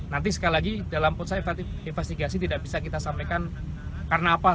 nanti sekali lagi dalam putusan investigasi tidak bisa kita sampaikan karena apa